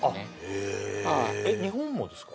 へえ日本もですか？